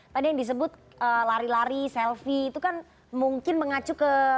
tadi yang disebut lari lari selfie itu kan mungkin mengacu ke